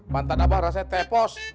pantat abah rasanya tepos